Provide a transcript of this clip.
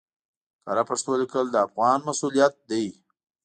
کره پښتو ليکل د افغان مسؤليت دی